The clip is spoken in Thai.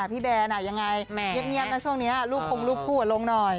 พี่แบนยังไงเงียบนะช่วงนี้ลูกคงลูกคู่ลงหน่อย